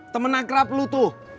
temen akrab lu tuh